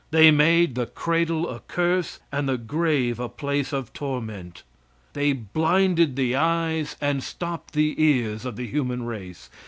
They made the cradle a curse, and the grave a place of torment. They blinded the eyes and stopped the ears of the human race.